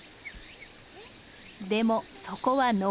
でもそこは鋸山。